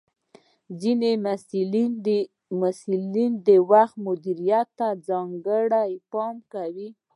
ځینې محصلین د وخت مدیریت ته ځانګړې پاملرنه کوي.